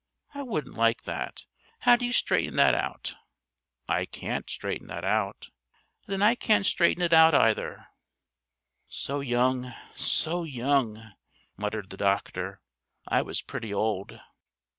I wouldn't like that. How do you straighten that out?_" "I can't straighten that out." "Then I can't straighten it out, either." "So young so young!" muttered the doctor. "I was pretty old!"